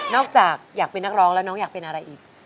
จากอยากเป็นนักร้องแล้วน้องอยากเป็นอะไรอีก